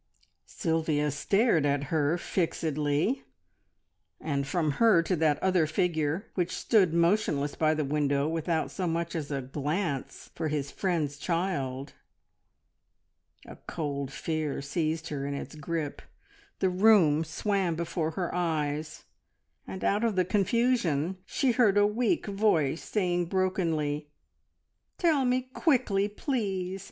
Sylvia stared at her fixedly, and from her to that other figure which stood motionless by the window without so much as a glance for his friend's child. A cold fear seized her in its grip, the room swam before her eyes, and out of the confusion she heard a weak voice saying brokenly, "Tell me quickly, please!